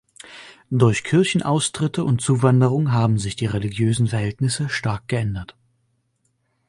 Durch Kirchenaustritte und Zuwanderung haben sich die religiösen Verhältnisse stark geändert.